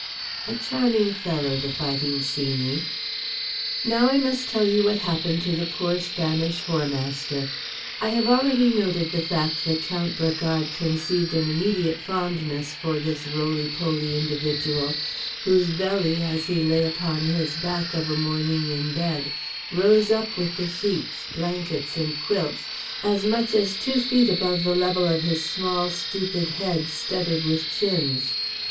A charming fellow, The Fighting Sheeney. Now I must tell you what happened to the poor Spanish Whoremaster. I have already noted the fact that Count Bragard conceived an immediate fondness for this rolypoly individual, whose belly—as he lay upon his back of a morning in bed—rose up with the sheets, blankets and quilts as much as two feet above the level of his small, stupid head studded with chins.